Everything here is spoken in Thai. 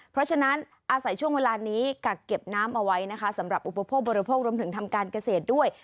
เพราะฉะนั้นอาศัยช่วงเวลานี้กักเก็บน้ำเอาไว้นะคะสำหรับอุปโภคบริโภครวมถึงทำการเกษตรด้วย